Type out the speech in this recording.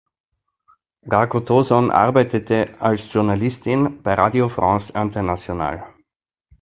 Rakotoson arbeitete als Journalistin bei Radio France Internationale.